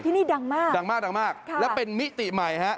ที่นี่ดังมากดังมากและเป็นมิติใหม่